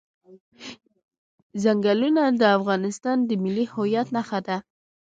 چنګلونه د افغانستان د ملي هویت نښه ده.